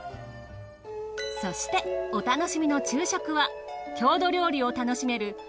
そしてお楽しみの昼食は郷土料理を楽しめる